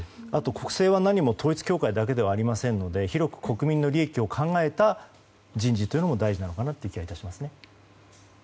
国政は何も統一教会だけではないので広く国民の利益を考えた人事というのも大事なのかなという気がしますね。